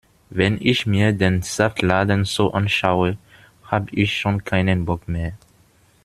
Wenn ich mir den Saftladen so anschaue, hab' ich schon keinen Bock mehr.